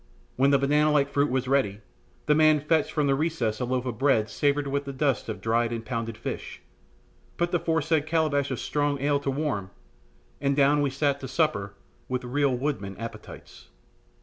Then when the banana like fruit was ready, the man fetched from a recess a loaf of bread savoured with the dust of dried and pounded fish, put the foresaid calabash of strong ale to warm, and down we sat to supper with real woodman appetites.